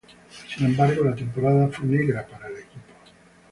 Sin embargo, la temporada fue negra para el equipo.